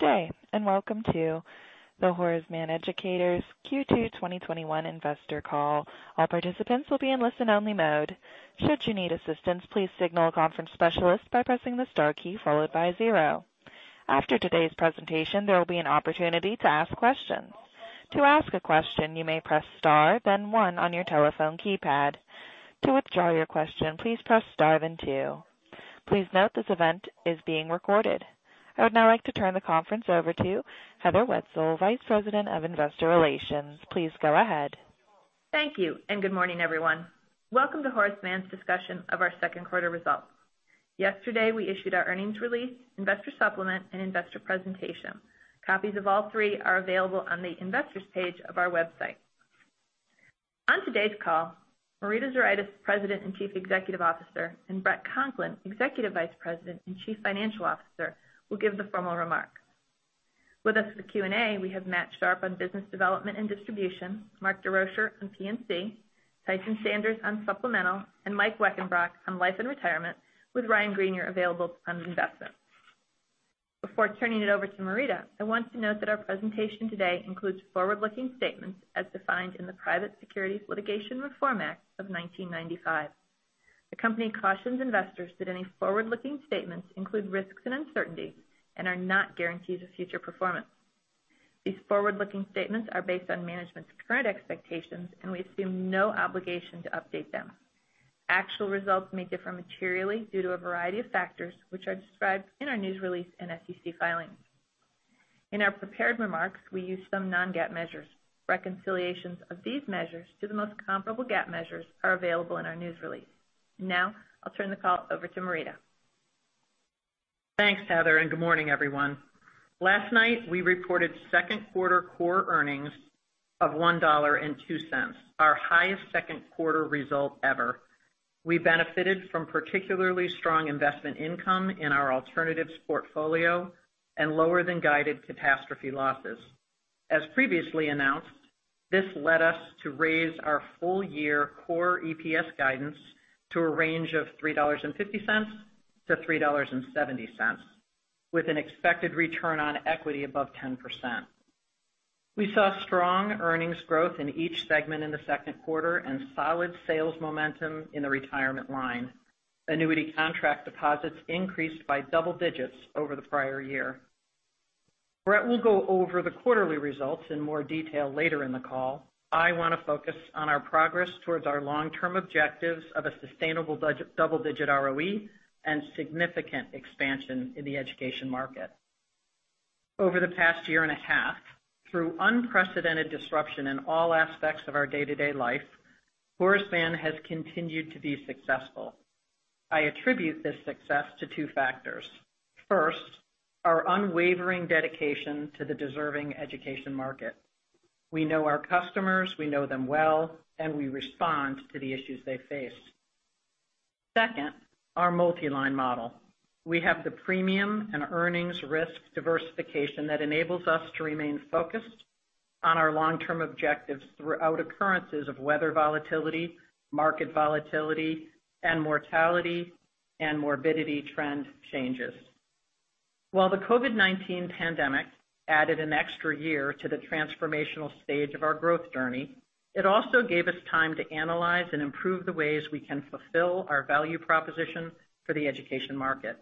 Good day, welcome to the Horace Mann Educators Q2 2021 investor call. All participants will be in listen-only mode. Should you need assistance, please signal a conference specialist by pressing the star key followed by zero. After today's presentation, there will be an opportunity to ask questions. To ask a question, you may press star, then one on your telephone keypad. To withdraw your question, please press star then two. Please note this event is being recorded. I would now like to turn the conference over to Heather Wenzel, Vice President of Investor Relations. Please go ahead. Thank you, good morning, everyone. Welcome to Horace Mann's discussion of our second quarter results. Yesterday, we issued our earnings release, investor supplement, and investor presentation. Copies of all three are available on the Investors page of our website. On today's call, Marita Zuraitis, President and Chief Executive Officer, and Bret Conklin, Executive Vice President and Chief Financial Officer, will give the formal remarks. With us for the Q&A, we have Matt Sharpe on business development and distribution, Mark Desrochers on P&C, Tyson Sanders on supplemental, and Mike Weckenbrock on life and retirement, with Ryan Greenier available on investment. Before turning it over to Marita, I want to note that our presentation today includes forward-looking statements as defined in the Private Securities Litigation Reform Act of 1995. The company cautions investors that any forward-looking statements include risks and uncertainties and are not guarantees of future performance. These forward-looking statements are based on management's current expectations, we assume no obligation to update them. Actual results may differ materially due to a variety of factors, which are described in our news release and SEC filings. In our prepared remarks, we use some non-GAAP measures. Reconciliations of these measures to the most comparable GAAP measures are available in our news release. I'll turn the call over to Marita. Thanks, Heather, good morning, everyone. Last night, we reported second quarter core earnings of $1.02, our highest second quarter result ever. We benefited from particularly strong investment income in our alternatives portfolio and lower than guided catastrophe losses. As previously announced, this led us to raise our full year core EPS guidance to a range of $3.50 to $3.70, with an expected return on equity above 10%. We saw strong earnings growth in each segment in the second quarter and solid sales momentum in the retirement line. Annuity contract deposits increased by double digits over the prior year. Bret will go over the quarterly results in more detail later in the call. I want to focus on our progress towards our long-term objectives of a sustainable double-digit ROE and significant expansion in the education market. Over the past year and a half, through unprecedented disruption in all aspects of our day-to-day life, Horace Mann has continued to be successful. I attribute this success to two factors. First, our unwavering dedication to the deserving education market. We know our customers, we know them well, and we respond to the issues they face. Second, our multi-line model. We have the premium and earnings risk diversification that enables us to remain focused on our long-term objectives throughout occurrences of weather volatility, market volatility, and mortality and morbidity trend changes. While the COVID-19 pandemic added an extra year to the transformational stage of our growth journey, it also gave us time to analyze and improve the ways we can fulfill our value proposition for the education market.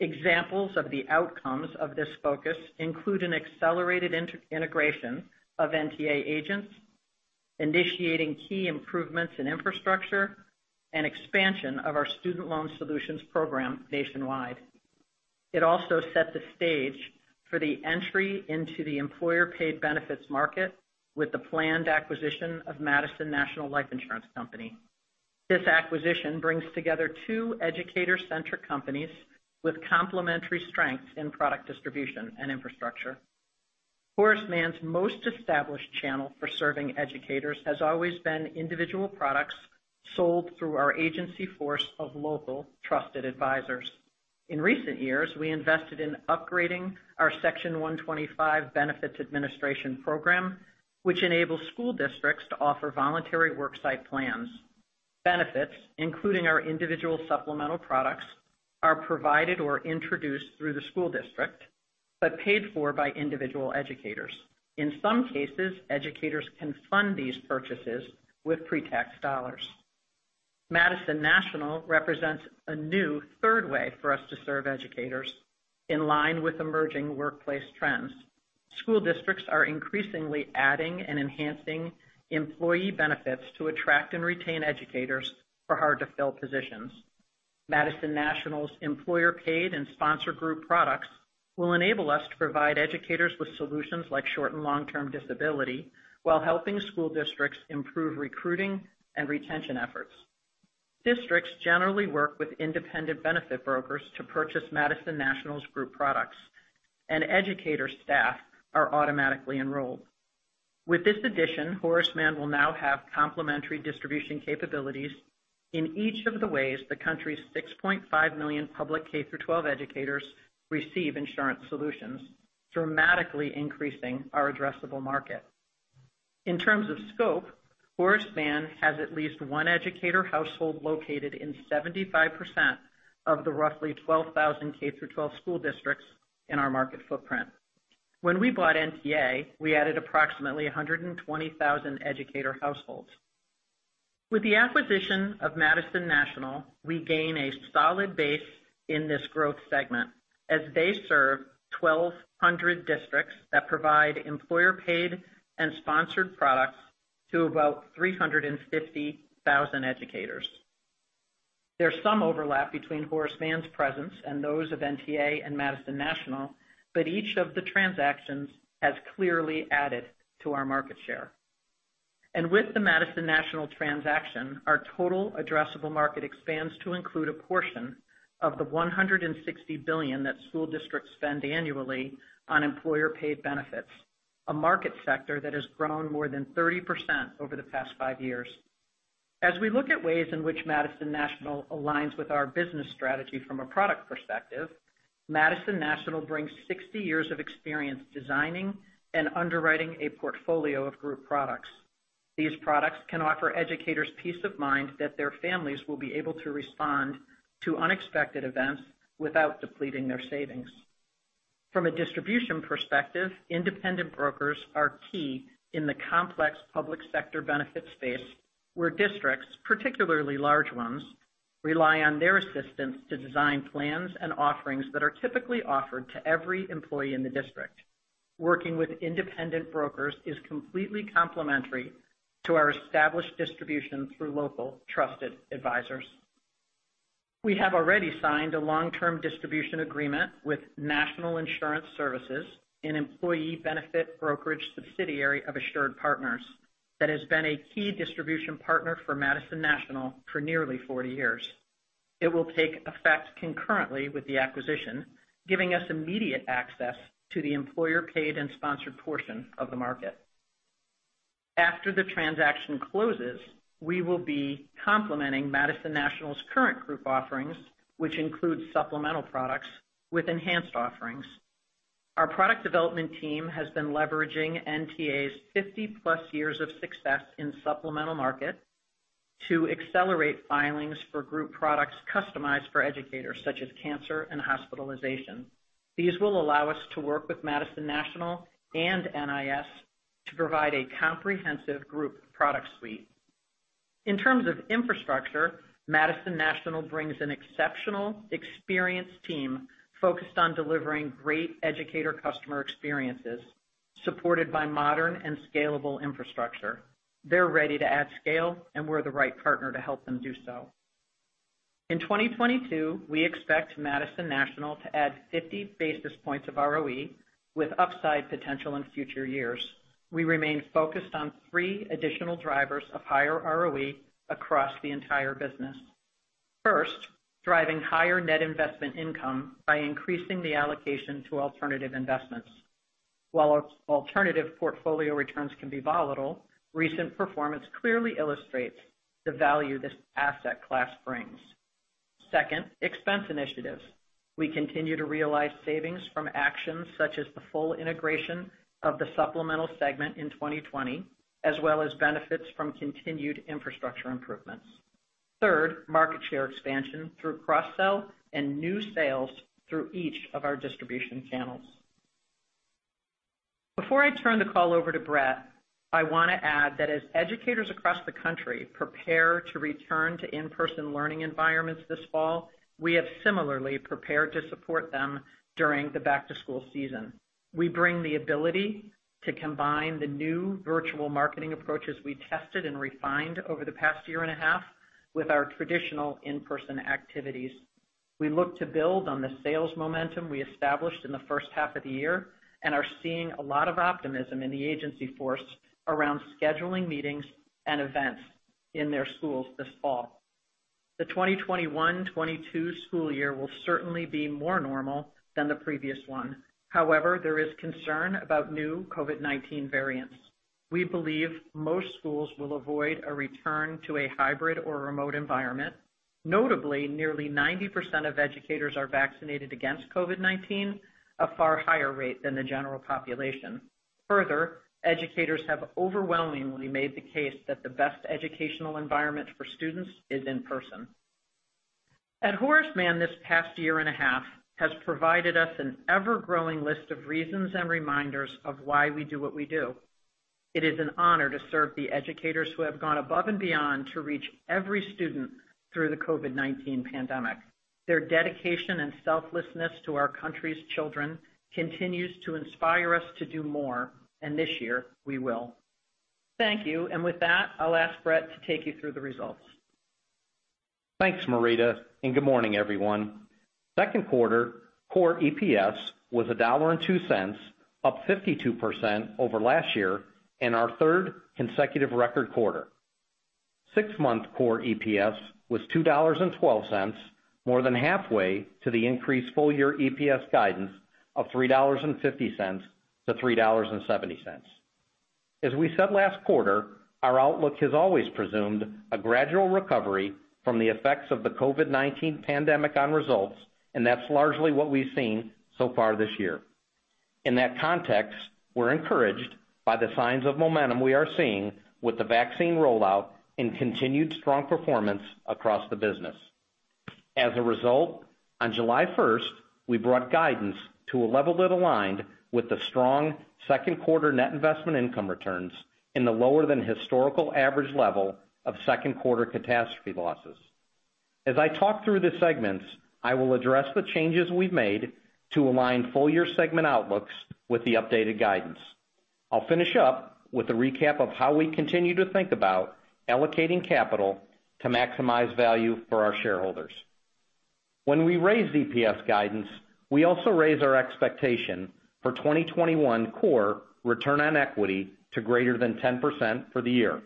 Examples of the outcomes of this focus include an accelerated integration of NTA agents, initiating key improvements in infrastructure, and expansion of our Student Loan Solutions program nationwide. It also set the stage for the entry into the employer-paid benefits market with the planned acquisition of Madison National Life Insurance Company. This acquisition brings together two educator-centric companies with complementary strengths in product distribution and infrastructure. Horace Mann's most established channel for serving educators has always been individual products sold through our agency force of local trusted advisors. In recent years, we invested in upgrading our Section 125 benefits administration program, which enables school districts to offer voluntary worksite plans. Benefits, including our individual supplemental products, are provided or introduced through the school district, but paid for by individual educators. In some cases, educators can fund these purchases with pre-tax dollars. Madison National represents a new third way for us to serve educators in line with emerging workplace trends. School districts are increasingly adding and enhancing employee benefits to attract and retain educators for hard-to-fill positions. Madison National's employer-paid and sponsor group products will enable us to provide educators with solutions like short and long-term disability while helping school districts improve recruiting and retention efforts. Districts generally work with independent benefit brokers to purchase Madison National's group products, and educator staff are automatically enrolled. With this addition, Horace Mann will now have complementary distribution capabilities in each of the ways the country's 6.5 million public K through 12 educators receive insurance solutions, dramatically increasing our addressable market. In terms of scope, Horace Mann has at least one educator household located in 75% of the roughly 12,000 K through 12 school districts in our market footprint. When we bought NTA, we added approximately 120,000 educator households. With the acquisition of Madison National, we gain a solid base in this growth segment as they serve 1,200 districts that provide employer-paid and sponsored products to about 350,000 educators. There's some overlap between Horace Mann's presence and those of NTA and Madison National, but each of the transactions has clearly added to our market share. With the Madison National transaction, our total addressable market expands to include a portion of the $160 billion that school districts spend annually on employer-paid benefits, a market sector that has grown more than 30% over the past five years. As we look at ways in which Madison National aligns with our business strategy from a product perspective, Madison National brings 60 years of experience designing and underwriting a portfolio of group products. These products can offer educators peace of mind that their families will be able to respond to unexpected events without depleting their savings. From a distribution perspective, independent brokers are key in the complex public sector benefit space where districts, particularly large ones, rely on their assistance to design plans and offerings that are typically offered to every employee in the district. Working with independent brokers is completely complementary to our established distribution through local trusted advisors. We have already signed a long-term distribution agreement with National Insurance Services, an employee benefit brokerage subsidiary of AssuredPartners that has been a key distribution partner for Madison National for nearly 40 years. It will take effect concurrently with the acquisition, giving us immediate access to the employer-paid and sponsored portion of the market. After the transaction closes, we will be complementing Madison National's current group offerings, which include supplemental products with enhanced offerings. Our product development team has been leveraging NTA's 50-plus years of success in supplemental market to accelerate filings for group products customized for educators such as cancer and hospitalization. These will allow us to work with Madison National and NIS to provide a comprehensive group product suite. In terms of infrastructure, Madison National brings an exceptional, experienced team focused on delivering great educator customer experiences, supported by modern and scalable infrastructure. They're ready to add scale, and we're the right partner to help them do so. In 2022, we expect Madison National to add 50 basis points of ROE with upside potential in future years. We remain focused on three additional drivers of higher ROE across the entire business. First, driving higher net investment income by increasing the allocation to alternative investments. While alternative portfolio returns can be volatile, recent performance clearly illustrates the value this asset class brings. Second, expense initiatives. We continue to realize savings from actions such as the full integration of the supplemental segment in 2020, as well as benefits from continued infrastructure improvements. Third, market share expansion through cross-sell and new sales through each of our distribution channels. Before I turn the call over to Bret, I want to add that as educators across the country prepare to return to in-person learning environments this fall, we have similarly prepared to support them during the back-to-school season. We bring the ability to combine the new virtual marketing approaches we tested and refined over the past year and a half with our traditional in-person activities. We look to build on the sales momentum we established in the first half of the year and are seeing a lot of optimism in the agency force around scheduling meetings and events in their schools this fall. The 2021-22 school year will certainly be more normal than the previous one. However, there is concern about new COVID-19 variants. We believe most schools will avoid a return to a hybrid or remote environment. Notably, nearly 90% of educators are vaccinated against COVID-19, a far higher rate than the general population. Further, educators have overwhelmingly made the case that the best educational environment for students is in person. At Horace Mann this past year and a half has provided us an ever-growing list of reasons and reminders of why we do what we do. It is an honor to serve the educators who have gone above and beyond to reach every student through the COVID-19 pandemic. Their dedication and selflessness to our country's children continues to inspire us to do more, and this year we will. Thank you. With that, I'll ask Bret to take you through the results. Thanks, Marita. Good morning, everyone. Second quarter core EPS was $1.02, up 52% over last year in our third consecutive record quarter. Six-month core EPS was $2.12, more than halfway to the increased full-year EPS guidance of $3.50 to $3.70. As we said last quarter, our outlook has always presumed a gradual recovery from the effects of the COVID-19 pandemic on results, that's largely what we've seen so far this year. In that context, we're encouraged by the signs of momentum we are seeing with the vaccine rollout and continued strong performance across the business. As a result, on July 1st, we brought guidance to a level that aligned with the strong second quarter net investment income returns in the lower than historical average level of second quarter catastrophe losses. As I talk through the segments, I will address the changes we've made to align full year segment outlooks with the updated guidance. I'll finish up with a recap of how we continue to think about allocating capital to maximize value for our shareholders. When we raise EPS guidance, we also raise our expectation for 2021 core return on equity to greater than 10% for the year.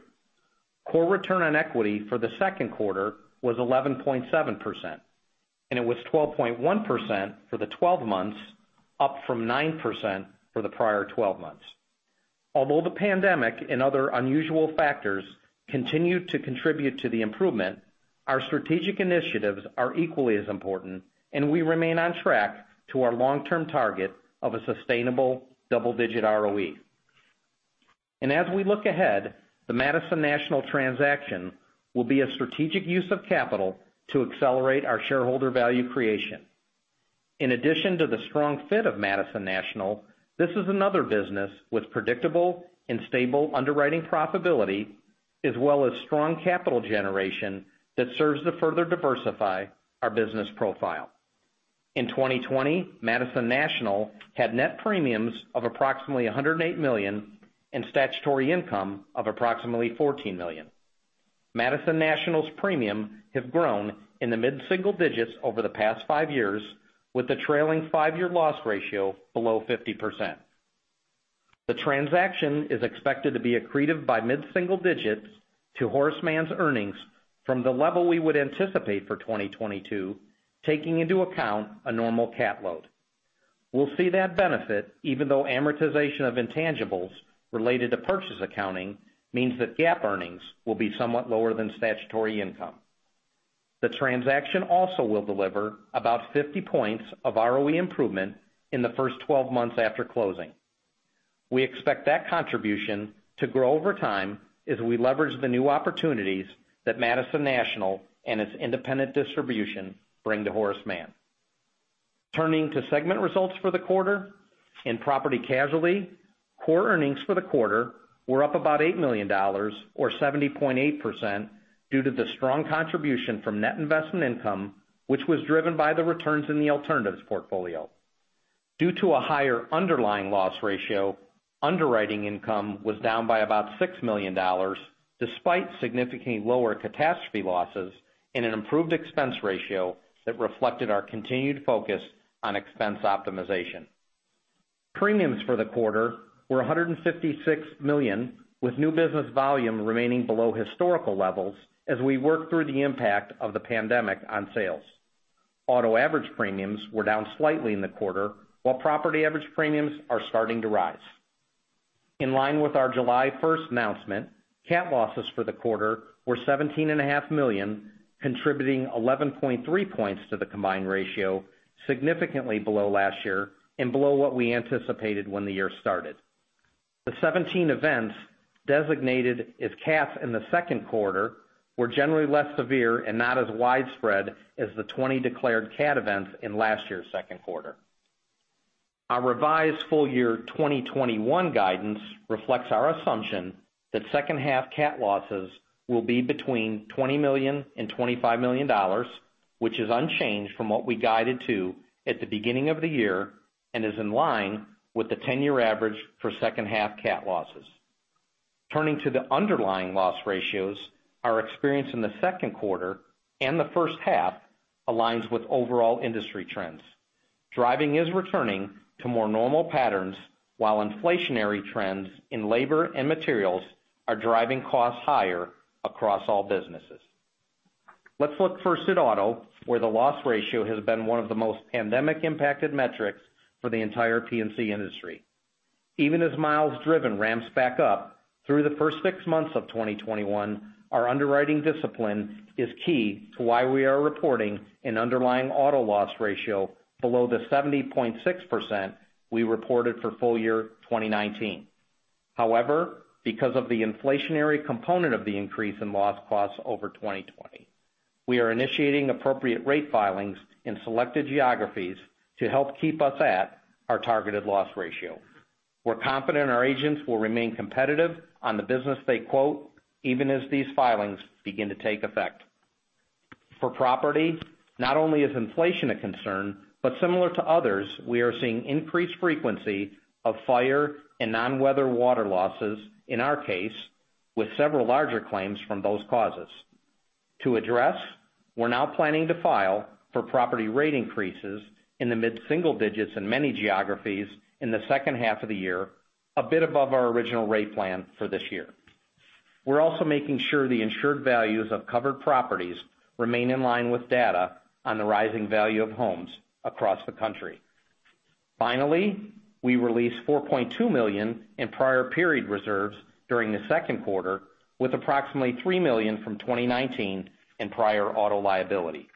Core return on equity for the second quarter was 11.7%, and it was 12.1% for the 12 months, up from 9% for the prior 12 months. Although the pandemic and other unusual factors continue to contribute to the improvement, our strategic initiatives are equally as important, we remain on track to our long-term target of a sustainable double-digit ROE. As we look ahead, the Madison National transaction will be a strategic use of capital to accelerate our shareholder value creation. In addition to the strong fit of Madison National, this is another business with predictable and stable underwriting profitability, as well as strong capital generation that serves to further diversify our business profile. In 2020, Madison National had net premiums of approximately $108 million and statutory income of approximately $14 million. Madison National's premium have grown in the mid-single digits over the past five years, with the trailing five-year loss ratio below 50%. The transaction is expected to be accretive by mid-single digits to Horace Mann's earnings from the level we would anticipate for 2022, taking into account a normal cat load. We'll see that benefit even though amortization of intangibles related to purchase accounting means that GAAP earnings will be somewhat lower than statutory income. The transaction also will deliver about 50 points of ROE improvement in the first 12 months after closing. We expect that contribution to grow over time as we leverage the new opportunities that Madison National and its independent distribution bring to Horace Mann. Turning to segment results for the quarter. In Property & Casualty, core earnings for the quarter were up about $8 million, or 70.8%, due to the strong contribution from net investment income, which was driven by the returns in the alternatives portfolio. Due to a higher underlying loss ratio, underwriting income was down by about $6 million, despite significantly lower catastrophe losses and an improved expense ratio that reflected our continued focus on expense optimization. Premiums for the quarter were $156 million, with new business volume remaining below historical levels as we work through the impact of the pandemic on sales. Auto average premiums were down slightly in the quarter, while property average premiums are starting to rise. In line with our July 1st announcement, cat losses for the quarter were $17.5 million, contributing 11.3 points to the combined ratio, significantly below last year and below what we anticipated when the year started. The 17 events designated as cats in the second quarter were generally less severe and not as widespread as the 20 declared cat events in last year's second quarter. Our revised full year 2021 guidance reflects our assumption that second half cat losses will be between $20 million-$25 million, which is unchanged from what we guided to at the beginning of the year and is in line with the 10-year average for second half cat losses. Turning to the underlying loss ratios, our experience in the second quarter and the first half aligns with overall industry trends. Driving is returning to more normal patterns, while inflationary trends in labor and materials are driving costs higher across all businesses. Let's look first at auto, where the loss ratio has been one of the most pandemic-impacted metrics for the entire P&C industry. Even as miles driven ramps back up through the first six months of 2021, our underwriting discipline is key to why we are reporting an underlying auto loss ratio below the 70.6% we reported for full year 2019. Because of the inflationary component of the increase in loss costs over 2020, we are initiating appropriate rate filings in selected geographies to help keep us at our targeted loss ratio. We're confident our agents will remain competitive on the business they quote, even as these filings begin to take effect. For property, not only is inflation a concern, but similar to others, we are seeing increased frequency of fire and non-weather water losses, in our case, with several larger claims from those causes. To address, we're now planning to file for property rate increases in the mid-single digits in many geographies in the second half of the year, a bit above our original rate plan for this year. We're also making sure the insured values of covered properties remain in line with data on the rising value of homes across the country. We released $4.2 million in prior period reserves during the second quarter, with approximately $3 million from 2019 in prior auto liability.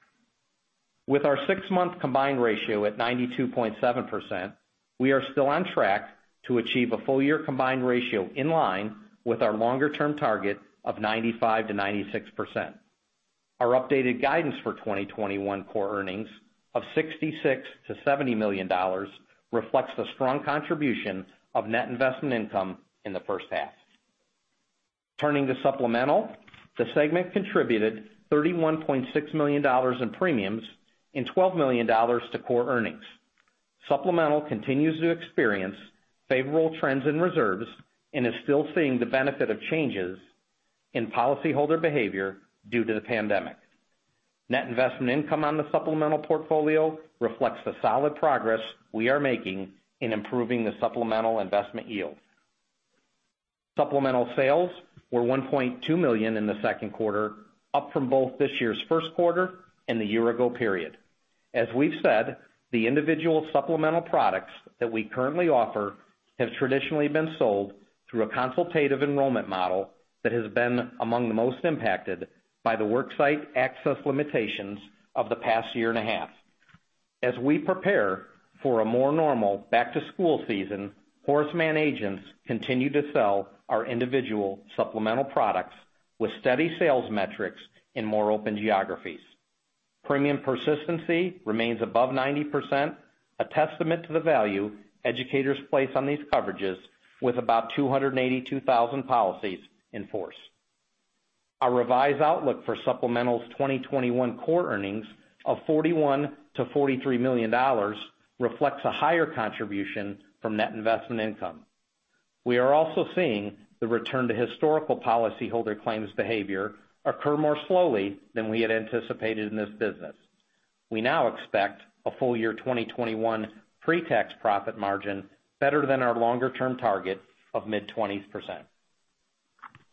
With our six-month combined ratio at 92.7%, we are still on track to achieve a full-year combined ratio in line with our longer-term target of 95%-96%. Our updated guidance for 2021 core earnings of $66 million to $70 million reflects the strong contribution of net investment income in the first half. Turning to supplemental, the segment contributed $31.6 million in premiums and $12 million to core earnings. Supplemental continues to experience favorable trends in reserves and is still seeing the benefit of changes in policyholder behavior due to the pandemic. Net investment income on the supplemental portfolio reflects the solid progress we are making in improving the supplemental investment yield. Supplemental sales were $1.2 million in the second quarter, up from both this year's first quarter and the year-ago period. As we've said, the individual supplemental products that we currently offer have traditionally been sold through a consultative enrollment model that has been among the most impacted by the worksite access limitations of the past year and a half. As we prepare for a more normal back-to-school season, Horace Mann agents continue to sell our individual supplemental products with steady sales metrics in more open geographies. Premium persistency remains above 90%, a testament to the value educators place on these coverages with about 282,000 policies in force. Our revised outlook for supplemental's 2021 core earnings of $41 million to $43 million reflects a higher contribution from net investment income. We are also seeing the return to historical policyholder claims behavior occur more slowly than we had anticipated in this business. We now expect a full year 2021 pre-tax profit margin better than our longer-term target of mid-20s%.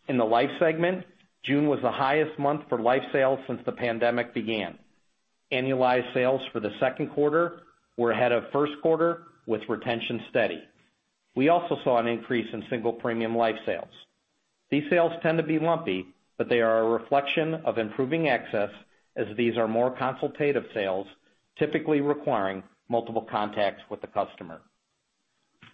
In the life segment, June was the highest month for life sales since the pandemic began. Annualized sales for the second quarter were ahead of first quarter with retention steady. We also saw an increase in single premium life sales. These sales tend to be lumpy, but they are a reflection of improving access as these are more consultative sales, typically requiring multiple contacts with the customer.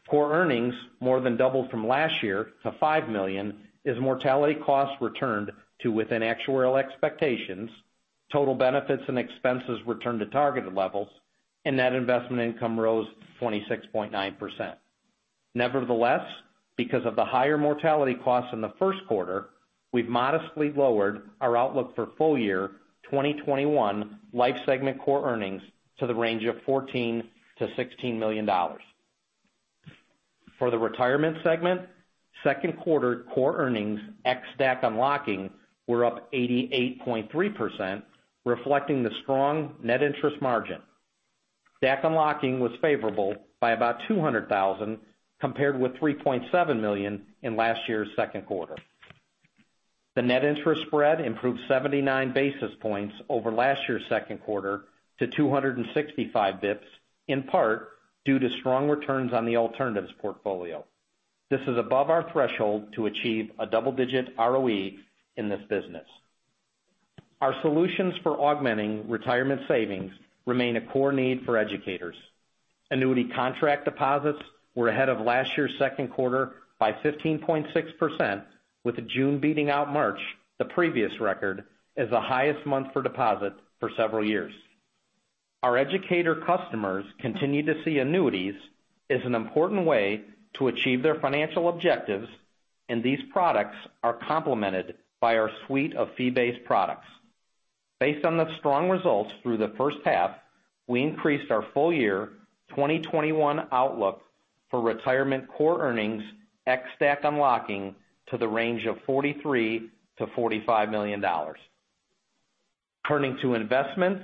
Core earnings more than doubled from last year to $5 million as mortality costs returned to within actuarial expectations, total benefits and expenses returned to targeted levels, and net investment income rose 26.9%. Nevertheless, because of the higher mortality costs in the first quarter, we've modestly lowered our outlook for full-year 2021 life segment core earnings to the range of $14 million to $16 million. For the retirement segment, second quarter core earnings ex DAC unlocking were up 88.3%, reflecting the strong net interest margin. DAC unlocking was favorable by about $200,000 compared with $3.7 million in last year's second quarter. The net interest spread improved 79 basis points over last year's second quarter to 265 basis points, in part due to strong returns on the alternatives portfolio. This is above our threshold to achieve a double-digit ROE in this business. Our solutions for augmenting retirement savings remain a core need for educators. Annuity contract deposits were ahead of last year's second quarter by 15.6%, with June beating out March, the previous record, as the highest month for deposit for several years. Our educator customers continue to see annuities as an important way to achieve their financial objectives, and these products are complemented by our suite of fee-based products. Based on the strong results through the first half, we increased our full-year 2021 outlook for retirement core earnings ex DAC unlocking to the range of $43 million to $45 million. Turning to investments,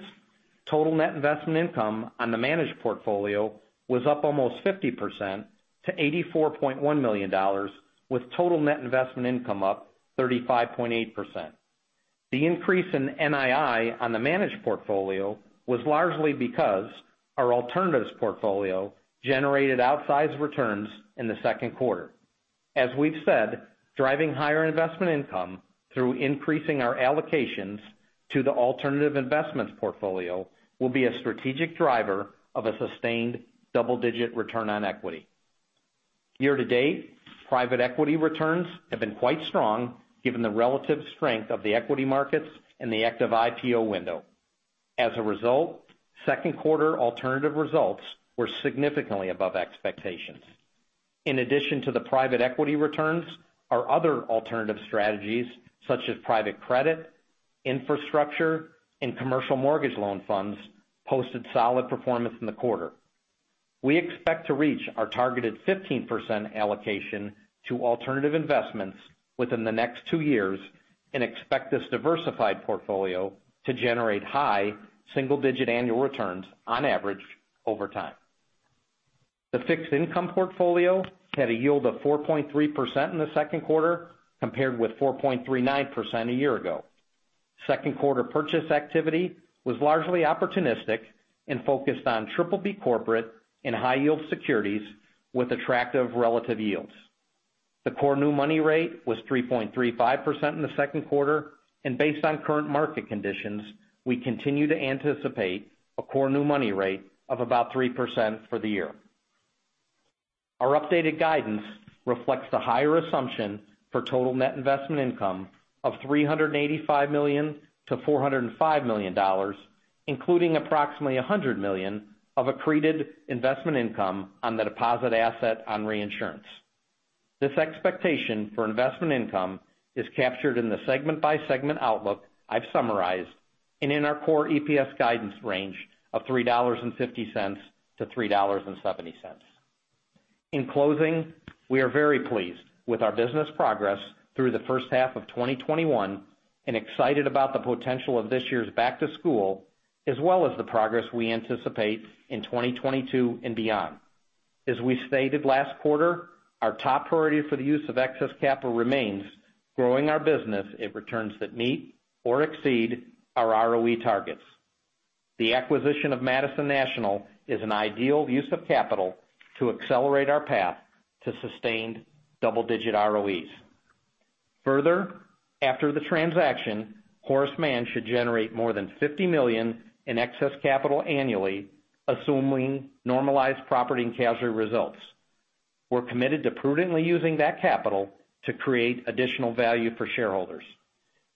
total net investment income on the managed portfolio was up almost 50% to $84.1 million, with total net investment income up 35.8%. The increase in NII on the managed portfolio was largely because our alternatives portfolio generated outsized returns in the second quarter. As we've said, driving higher investment income through increasing our allocations to the alternative investments portfolio will be a strategic driver of a sustained double-digit return on equity. Year to date, private equity returns have been quite strong given the relative strength of the equity markets and the active IPO window. As a result, second quarter alternative results were significantly above expectations. In addition to the private equity returns, our other alternative strategies, such as private credit, infrastructure, and commercial mortgage loan funds, posted solid performance in the quarter. We expect to reach our targeted 15% allocation to alternative investments within the next two years and expect this diversified portfolio to generate high single-digit annual returns on average over time. The fixed income portfolio had a yield of 4.3% in the second quarter, compared with 4.39% a year ago. Second quarter purchase activity was largely opportunistic and focused on BBB corporate and high-yield securities with attractive relative yields. The core new money rate was 3.35% in the second quarter, and based on current market conditions, we continue to anticipate a core new money rate of about 3% for the year. Our updated guidance reflects the higher assumption for total net investment income of $385 million to $405 million, including approximately $100 million of accreted investment income on the deposit asset on reinsurance. This expectation for investment income is captured in the segment-by-segment outlook I've summarized and in our core EPS guidance range of $3.50 to $3.70. In closing, we are very pleased with our business progress through the first half of 2021 and excited about the potential of this year's back-to-school, as well as the progress we anticipate in 2022 and beyond. As we stated last quarter, our top priority for the use of excess capital remains growing our business at returns that meet or exceed our ROE targets. The acquisition of Madison National is an ideal use of capital to accelerate our path to sustained double-digit ROEs. Further, after the transaction, Horace Mann should generate more than $50 million in excess capital annually, assuming normalized property and casualty results. We're committed to prudently using that capital to create additional value for shareholders.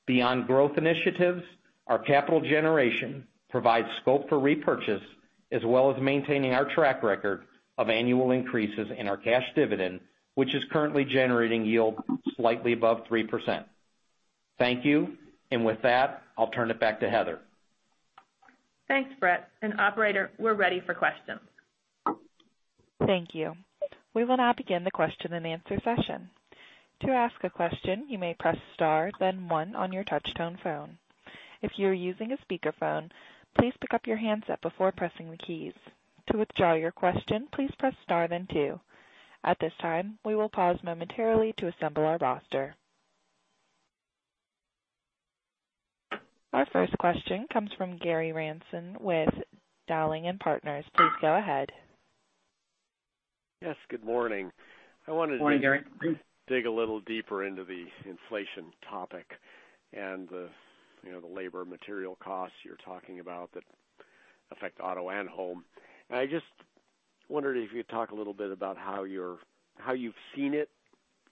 Beyond growth initiatives, our capital generation provides scope for repurchase, as well as maintaining our track record of annual increases in our cash dividend, which is currently generating yield slightly above 3%. Thank you. With that, I'll turn it back to Heather. Thanks, Bret, operator, we're ready for questions. Thank you. We will now begin the question and answer session. To ask a question, you may press star then one on your touch tone phone. If you are using a speakerphone, please pick up your handset before pressing the keys. To withdraw your question, please press star then two. At this time, we will pause momentarily to assemble our roster. Our first question comes from Gary Ransom with Dowling & Partners. Please go ahead. Yes, good morning. Morning, Gary. I wanted to dig a little deeper into the inflation topic and the labor material costs you're talking about that affect auto and home. I just wondered if you'd talk a little bit about how you've seen it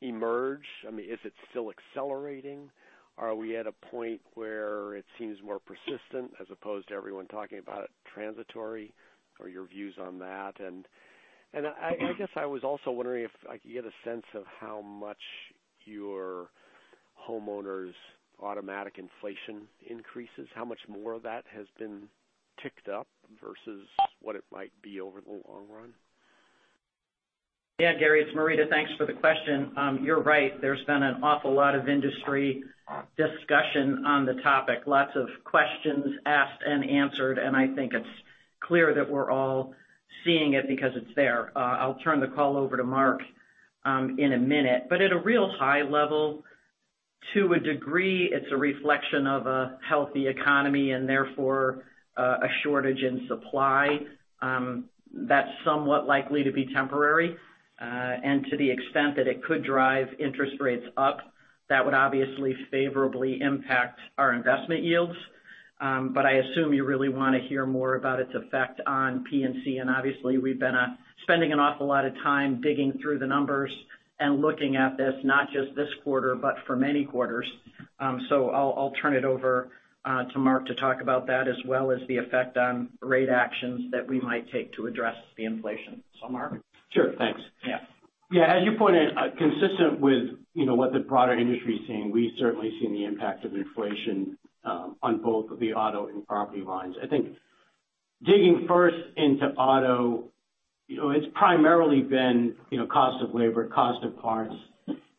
emerge. Is it still accelerating? Are we at a point where it seems more persistent as opposed to everyone talking about it transitory, or your views on that? I guess I was also wondering if I could get a sense of how much your homeowners' automatic inflation increases, how much more of that has been ticked up versus what it might be over the long run? Yeah, Gary, it's Marita. Thanks for the question. You're right. There's been an awful lot of industry discussion on the topic, lots of questions asked and answered. I think it's clear that we're all seeing it because it's there. I'll turn the call over to Mark in a minute. At a real high level, to a degree, it's a reflection of a healthy economy and therefore a shortage in supply. That's somewhat likely to be temporary. To the extent that it could drive interest rates up, that would obviously favorably impact our investment yields. I assume you really want to hear more about its effect on P&C, and obviously we've been spending an awful lot of time digging through the numbers and looking at this not just this quarter, but for many quarters. I'll turn it over to Mark to talk about that as well as the effect on rate actions that we might take to address the inflation. Mark? Sure. Thanks. Yeah. Yeah. As you pointed, consistent with what the broader industry is seeing, we've certainly seen the impact of inflation on both the auto and property lines. I think digging first into auto, it's primarily been cost of labor, cost of parts,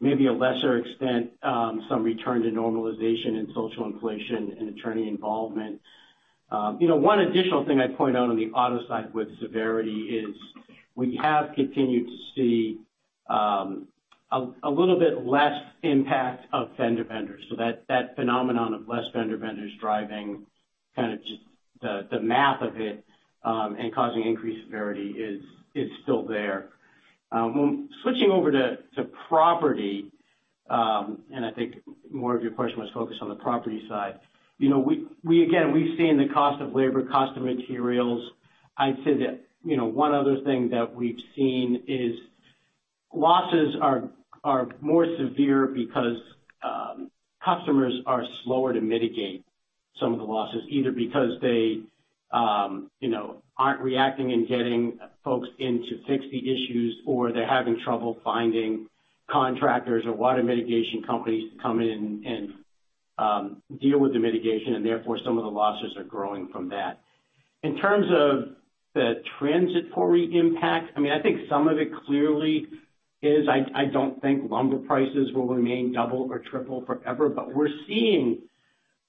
maybe a lesser extent, some return to normalization in social inflation and attorney involvement. One additional thing I'd point out on the auto side with severity is we have continued to see a little bit less impact of fender benders. That phenomenon of less fender benders driving kind of just the math of it and causing increased severity is still there. When switching over to property, I think more of your question was focused on the property side. Again, we've seen the cost of labor, cost of materials. I'd say that one other thing that we've seen is losses are more severe because customers are slower to mitigate some of the losses, either because they aren't reacting and getting folks in to fix the issues, or they're having trouble finding contractors or water mitigation companies to come in and deal with the mitigation, and therefore some of the losses are growing from that. In terms of the transitory impact, I think some of it clearly is I don't think lumber prices will remain double or triple forever, but we're seeing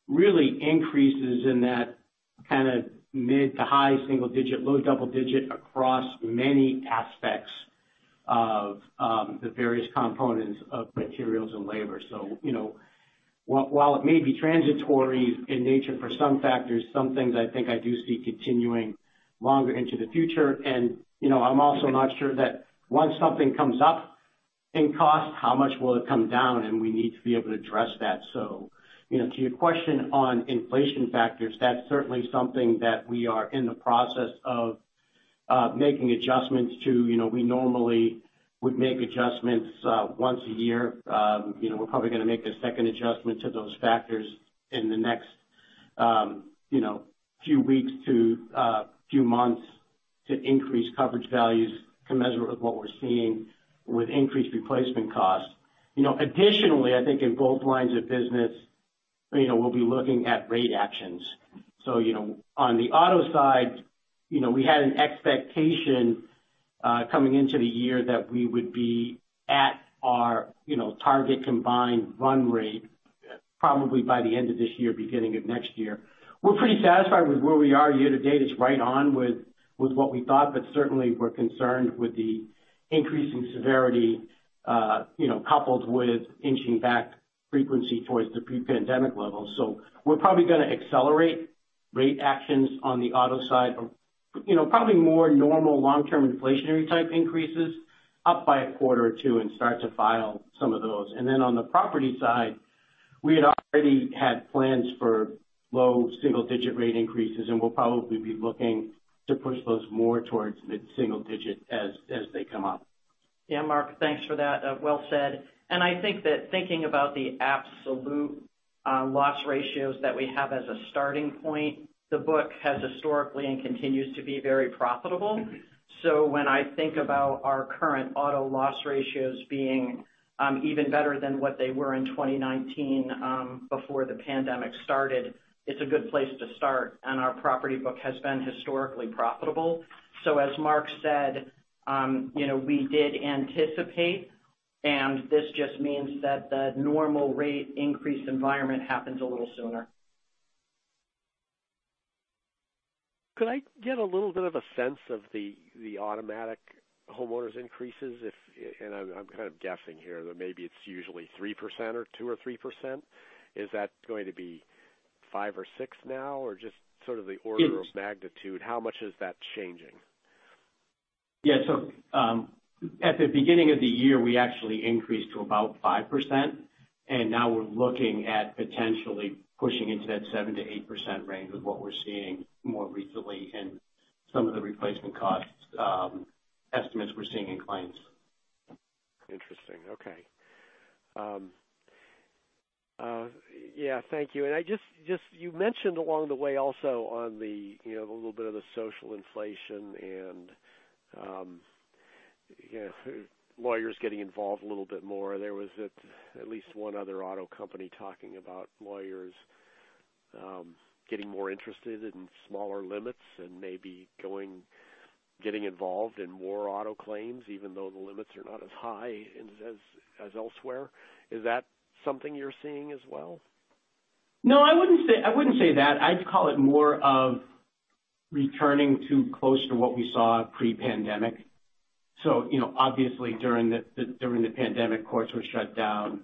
really increases in that kind of mid to high single digit, low double digit across many aspects of the various components of materials and labor. While it may be transitory in nature for some factors, some things I think I do see continuing longer into the future. I'm also not sure that once something comes up in cost, how much will it come down, and we need to be able to address that. To your question on inflation factors, that's certainly something that we are in the process of making adjustments to. We normally would make adjustments once a year. We're probably going to make a second adjustment to those factors in the next few weeks to few months to increase coverage values commensurate with what we're seeing with increased replacement costs. Additionally, I think in both lines of business, we'll be looking at rate actions. On the auto side, we had an expectation, coming into the year, that we would be at our target combined run rate probably by the end of this year, beginning of next year. We're pretty satisfied with where we are year to date. It's right on with what we thought, but certainly, we're concerned with the increase in severity, coupled with inching back frequency towards the pre-pandemic levels. We're probably going to accelerate rate actions on the auto side. Probably more normal long-term inflationary type increases up by a quarter or two and start to file some of those. On the property side, we had already had plans for low single-digit rate increases, and we'll probably be looking to push those more towards mid-single digit as they come up. Mark, thanks for that. Well said. I think that thinking about the absolute loss ratios that we have as a starting point, the book has historically and continues to be very profitable. When I think about our current auto loss ratios being even better than what they were in 2019, before the pandemic started, it is a good place to start. Our property book has been historically profitable. As Mark said, we did anticipate, and this just means that the normal rate increase environment happens a little sooner. Could I get a little bit of a sense of the automatic homeowners increases? I am kind of guessing here that maybe it is usually 3% or 2% or 3%. Is that going to be five or six now? Just sort of the order of magnitude, how much is that changing? Yeah. At the beginning of the year, we actually increased to about 5%, and now we are looking at potentially pushing into that 7%-8% range with what we are seeing more recently and some of the replacement cost estimates we are seeing in claims. Interesting. Okay. Yeah, thank you. You mentioned along the way also on the little bit of the social inflation and lawyers getting involved a little bit more. There was at least one other auto company talking about lawyers getting more interested in smaller limits and maybe getting involved in more auto claims, even though the limits are not as high as elsewhere. Is that something you are seeing as well? No, I wouldn't say that. I'd call it more of returning to close to what we saw pre-pandemic. Obviously, during the pandemic, courts were shut down,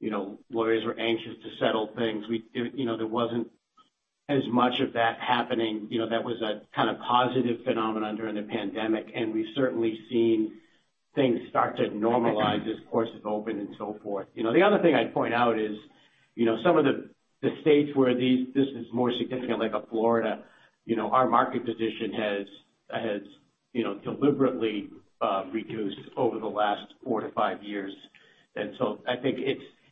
lawyers were anxious to settle things. There wasn't as much of that happening. That was a kind of positive phenomenon during the pandemic, and we've certainly seen things start to normalize as courts have opened and so forth. The other thing I'd point out is, some of the states where this is more significant, like Florida, our market position has deliberately reduced over the last 4 to 5 years. I think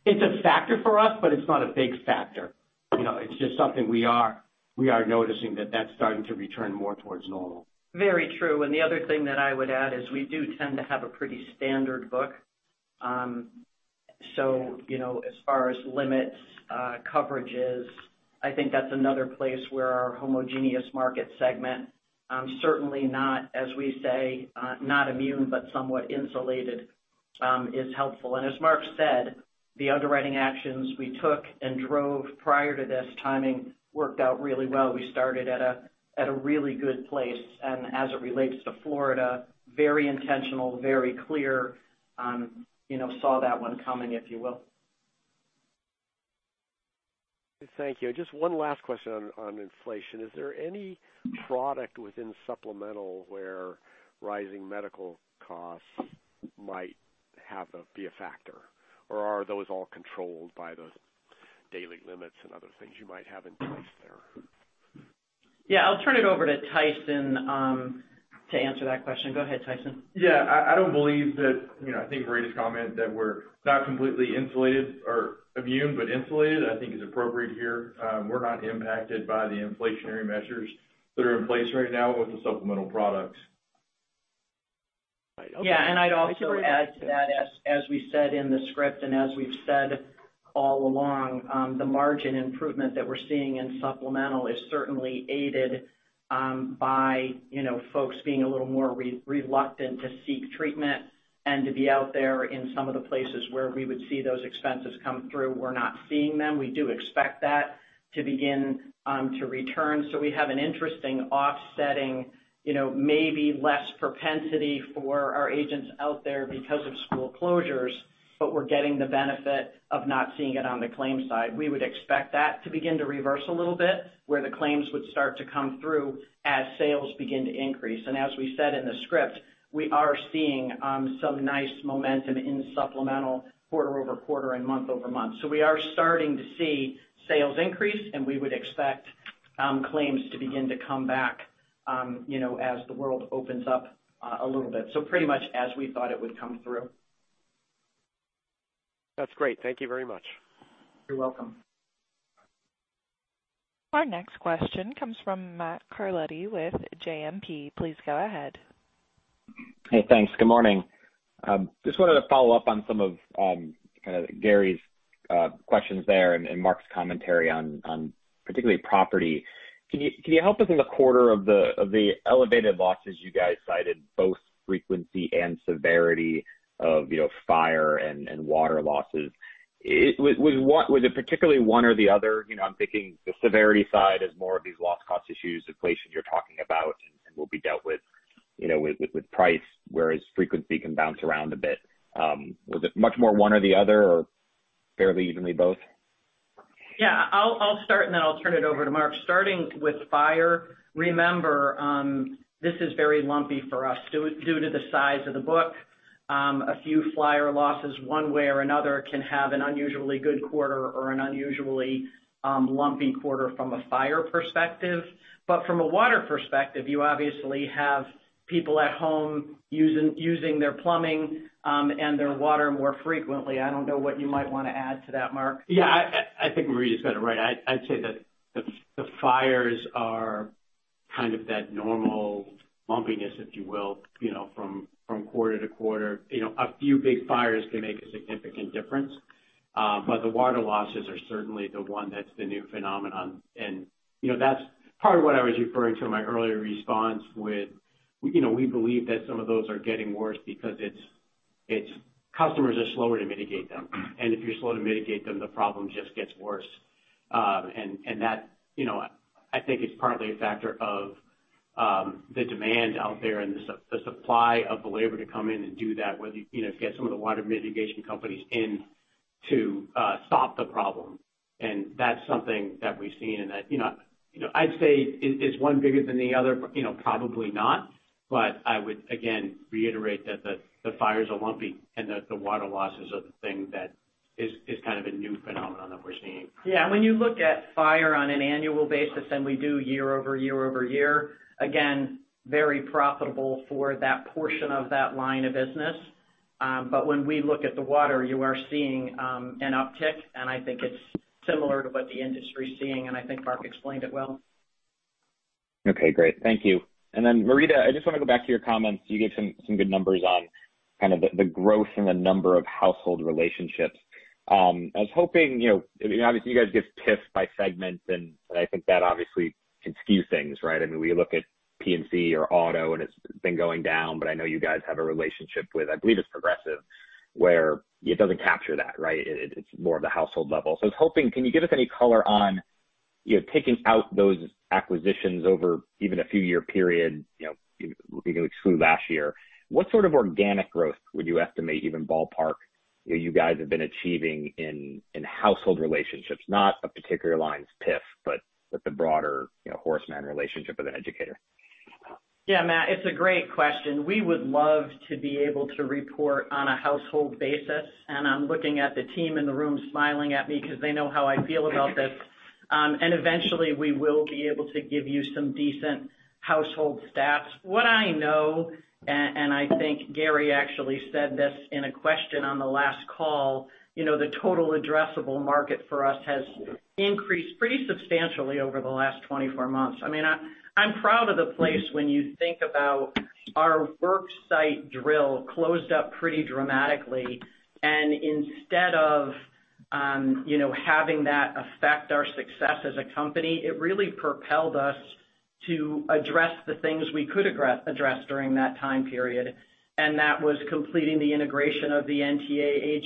it's a factor for us, but it's not a big factor. It's just something we are noticing that that's starting to return more towards normal. Very true. The other thing that I would add is we do tend to have a pretty standard book. As far as limits, coverages, I think that's another place where our homogeneous market segment, certainly not, as we say, not immune, but somewhat insulated, is helpful. As Mark said, the underwriting actions we took and drove prior to this timing worked out really well. We started at a really good place, and as it relates to Florida, very intentional, very clear. Saw that one coming, if you will. Thank you. Just one last question on inflation. Is there any product within supplemental where rising medical costs might be a factor? Are those all controlled by those daily limits and other things you might have in place there? I'll turn it over to Tyson to answer that question. Go ahead, Tyson. Yeah, I don't believe that. I think Marie's comment that we're not completely insulated or immune, but insulated, I think is appropriate here. We're not impacted by the inflationary measures that are in place right now with the supplemental product. Yeah, I'd also add to that, as we said in the script and as we've said all along, the margin improvement that we're seeing in supplemental is certainly aided by folks being a little more reluctant to seek treatment, and to be out there in some of the places where we would see those expenses come through. We're not seeing them. We do expect that to begin to return. We have an interesting offsetting, maybe less propensity for our agents out there because of school closures, but we're getting the benefit of not seeing it on the claims side. We would expect that to begin to reverse a little bit, where the claims would start to come through as sales begin to increase. As we said in the script, we are seeing some nice momentum in supplemental quarter-over-quarter and month-over-month. We are starting to see sales increase, and we would expect claims to begin to come back as the world opens up a little bit. Pretty much as we thought it would come through. That's great. Thank you very much. You're welcome. Our next question comes from Matt Carletti with JMP. Please go ahead. Hey, thanks. Good morning. Just wanted to follow up on some of Gary's questions there and Mark's commentary on particularly property. Can you help us in the quarter of the elevated losses you guys cited, both frequency and severity of fire and water losses? Was it particularly one or the other? I'm thinking the severity side is more of these loss cost issues, inflation you're talking about, and will be dealt with price, whereas frequency can bounce around a bit. Was it much more one or the other, or fairly evenly both? Yeah. I'll start. Then I'll turn it over to Mark. Starting with fire, remember, this is very lumpy for us due to the size of the book. A few fire losses one way or another can have an unusually good quarter or an unusually lumpy quarter from a fire perspective. From a water perspective, you obviously have people at home using their plumbing, and their water more frequently. I don't know what you might want to add to that, Mark. Yeah, I think Marie's got it right. I'd say that the fires are kind of that normal lumpiness, if you will, from quarter to quarter. A few big fires can make a significant difference. The water losses are certainly the one that's the new phenomenon. That's part of what I was referring to in my earlier response with, we believe that some of those are getting worse because customers are slower to mitigate them. If you're slow to mitigate them, the problem just gets worse. That, I think, is partly a factor of the demand out there and the supply of the labor to come in and do that, whether you get some of the water mitigation companies in to stop the problem. That's something that we've seen, and I'd say, is one bigger than the other? Probably not. I would, again, reiterate that the fires are lumpy, and the water losses are the thing that is kind of a new phenomenon that we're seeing. Yeah, when you look at fire on an annual basis, and we do year over year over year, again, very profitable for that portion of that line of business. When we look at the water, you are seeing an uptick, and I think it's similar to what the industry's seeing, and I think Mark explained it well. Okay, great. Thank you. Marita, I just want to go back to your comments. You gave some good numbers on kind of the growth in the number of household relationships. I was hoping, obviously, you guys give PIF by segments, and I think that obviously can skew things, right? We look at P&C or auto, and it's been going down, but I know you guys have a relationship with, I believe it's Progressive, where it doesn't capture that, right? It's more of the household level. I was hoping, can you give us any color on, taking out those acquisitions over even a few year period, exclude last year, what sort of organic growth would you estimate, even ballpark, you guys have been achieving in household relationships? Not a particular line's PIF, but the broader Horace Mann relationship with an educator. Matt, it's a great question. We would love to be able to report on a household basis, and I'm looking at the team in the room smiling at me because they know how I feel about this. Eventually, we will be able to give you some decent household stats. What I know, and I think Gary actually said this in a question on the last call, the total addressable market for us has increased pretty substantially over the last 24 months. I'm proud of the place when you think about our work site drill closed up pretty dramatically, and instead of having that affect our success as a company, it really propelled us to address the things we could address during that time period. That was completing the integration of the NTA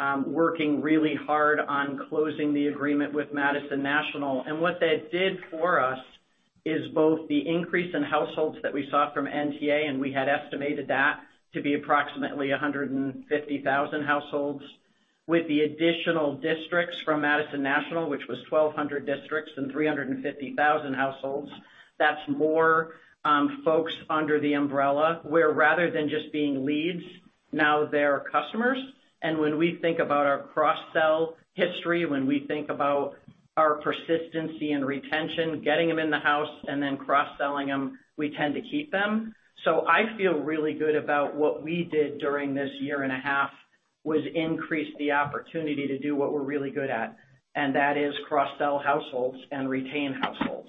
agents, working really hard on closing the agreement with Madison National. What that did for us is both the increase in households that we saw from NTA, and we had estimated that to be approximately 150,000 households. With the additional districts from Madison National, which was 1,200 districts and 350,000 households, that's more folks under the umbrella where rather than just being leads, now they're customers. When we think about our cross-sell history, when we think about our persistency and retention, getting them in the house and then cross-selling them, we tend to keep them. I feel really good about what we did during this year and a half, was increase the opportunity to do what we're really good at, and that is cross-sell households and retain households.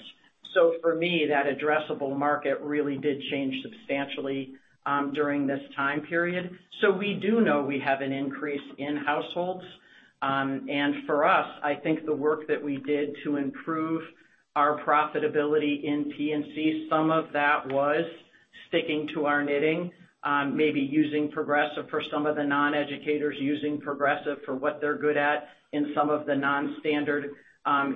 For me, that addressable market really did change substantially during this time period. We do know we have an increase in households. For us, I think the work that we did to improve our profitability in P&C, some of that was sticking to our knitting, maybe using Progressive for some of the non-educators, using Progressive for what they're good at in some of the non-standard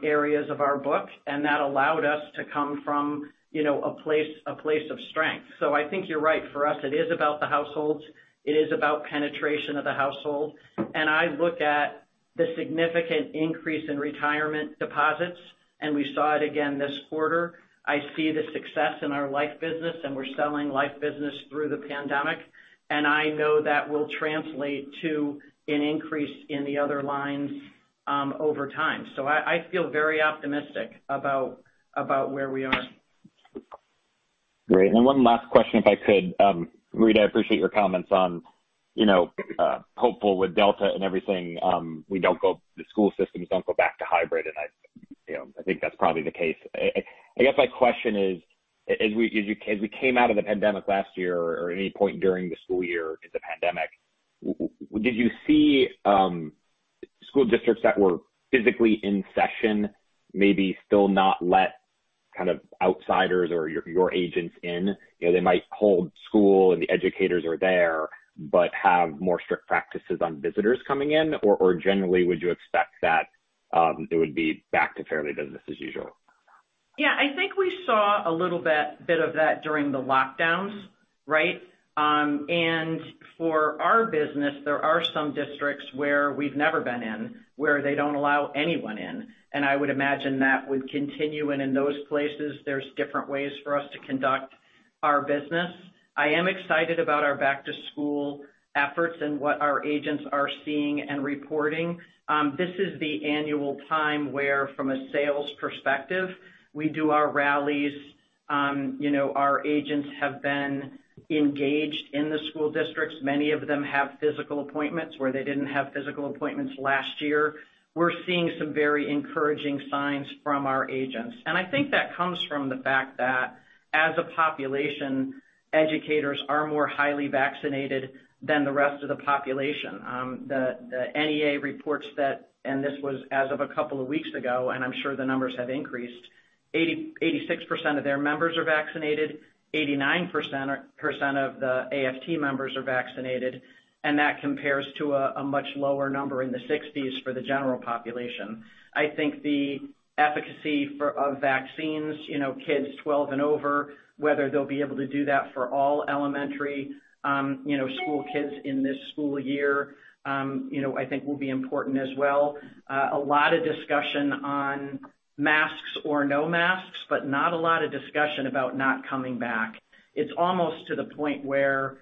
areas of our book. That allowed us to come from a place of strength. I think you're right. For us, it is about the households. It is about penetration of the household. I look at the significant increase in retirement deposits, and we saw it again this quarter. I see the success in our life business, and we're selling life business through the pandemic, and I know that will translate to an increase in the other lines over time. I feel very optimistic about where we are. Great. One last question, if I could. Rita, I appreciate your comments on hopeful with Delta and everything, the school systems don't go back to hybrid, and I think that's probably the case. I guess my question is, as we came out of the pandemic last year or any point during the school year in the pandemic, did you see school districts that were physically in session, maybe still not let kind of outsiders or your agents in? They might hold school and the educators are there, but have more strict practices on visitors coming in, or generally, would you expect that it would be back to fairly business as usual? Yeah, I think we saw a little bit of that during the lockdowns, right? For our business, there are some districts where we've never been in, where they don't allow anyone in. I would imagine that would continue, and in those places, there's different ways for us to conduct our business. I am excited about our back-to-school efforts and what our agents are seeing and reporting. This is the annual time where, from a sales perspective, we do our rallies. Our agents have been engaged in the school districts. Many of them have physical appointments where they didn't have physical appointments last year. We're seeing some very encouraging signs from our agents. I think that comes from the fact that as a population, educators are more highly vaccinated than the rest of the population. The NEA reports that, this was as of a couple of weeks ago, I'm sure the numbers have increased, 86% of their members are vaccinated, 89% of the AFT members are vaccinated, that compares to a much lower number in the 60s for the general population. I think the efficacy of vaccines, kids 12 and over, whether they'll be able to do that for all elementary school kids in this school year, I think will be important as well. A lot of discussion on masks or no masks, not a lot of discussion about not coming back. It's almost to the point where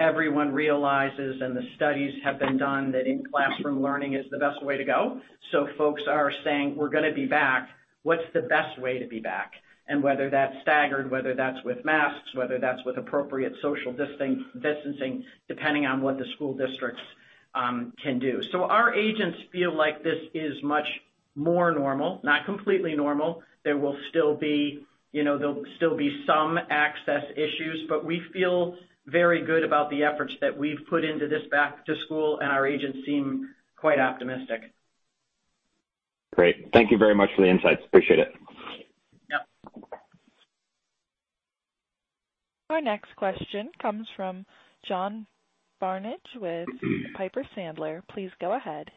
everyone realizes, the studies have been done, that in-classroom learning is the best way to go. Folks are saying, "We're going to be back. What's the best way to be back?" Whether that's staggered, whether that's with masks, whether that's with appropriate social distancing, depending on what the school districts can do. Our agents feel like this is much more normal, not completely normal. There'll still be some access issues, we feel very good about the efforts that we've put into this back to school, our agents seem quite optimistic. Great. Thank you very much for the insights. Appreciate it. Yeah. Our next question comes from John Barnidge with Piper Sandler. Please go ahead.